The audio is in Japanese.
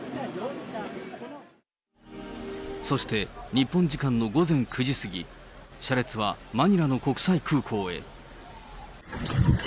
そして、日本時間の午前９時過ぎ、車列はマニラの国際空港へ。